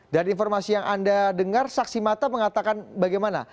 dari informasi yang anda dengar saksi mata mengatakan bagaimana